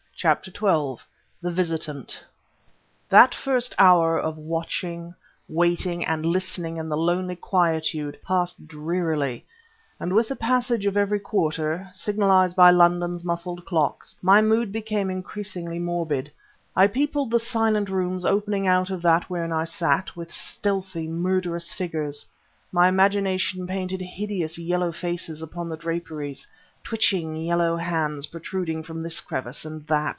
CHAPTER XII THE VISITANT That first hour of watching, waiting, and listening in the lonely quietude passed drearily; and with the passage of every quarter signalized by London's muffled clocks my mood became increasingly morbid. I peopled the silent rooms opening out of that wherein I sat, with stealthy, murderous figures; my imagination painted hideous yellow faces upon the draperies, twitching yellow hands protruding from this crevice and that.